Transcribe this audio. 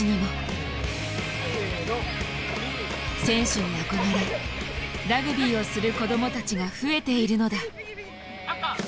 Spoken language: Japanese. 選手に憧れラグビーをする子どもたちが増えているのだ。